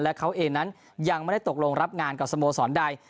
และเขาเองนั้นยังไม่ได้ตกลงรับงานกับสโมสรใด